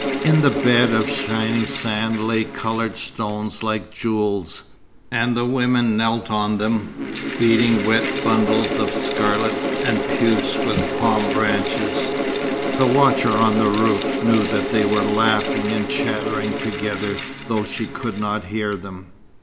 In the bed of shining sand lay coloured stones like jewels, and the women knelt on them, beating wet bundles of scarlet and puce with palm branches. The watcher on the roof knew that they were laughing and chattering together though she could not hear them.